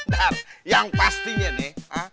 dar yang pastinya nih